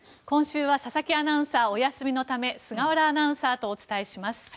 今週は佐々木アナウンサーがお休みのため菅原アナウンサーとお伝えします。